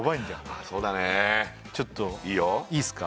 ああそうだねちょっといいよいいっすか？